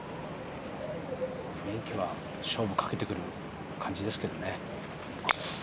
雰囲気は勝負かけてくる感じですけどね。